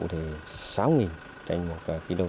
từ sáu nghìn trên một kg